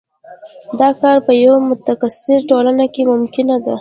دا کار په یوه متکثره ټولنه کې ممکنه ده.